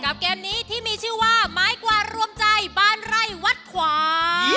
เกมนี้ที่มีชื่อว่าไม้กวาดรวมใจบ้านไร่วัดขวา